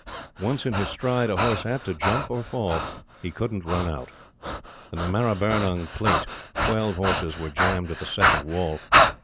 Once in his stride, a horse had to jump or fall. He couldn't run out. In the Maribyrnong Plate, twelve horses were jammed at the second wall.